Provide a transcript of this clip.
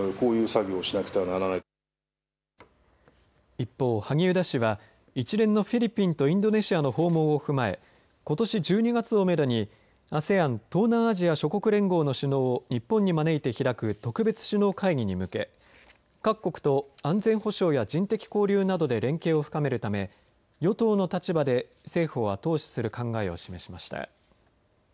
一方、萩生田氏は一連のフィリピンとインドネシアの訪問を踏まえことし１２月をめどにＡＳＥＡＮ東南アジア諸国連合の首脳を日本に招いて開く特別首脳会議に向け各国と安全保障や人的交流などで連携を深めるため与党の立場で政府を後押しする考えを示しました。